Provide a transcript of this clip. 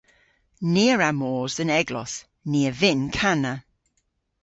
Ni a wra mos dhe'n eglos. Ni a vynn kana.